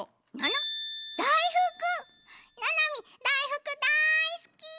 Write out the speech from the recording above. ななみだいふくだいすき！